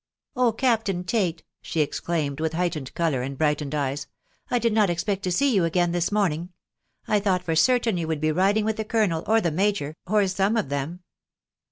"Oh! Captain Tate!" she exclaimed, with heightened colour and brightened eyes, .... "I did not expect to see you again this morning .... I thought for certain you would be riding with the colonel, or the major, or some of them."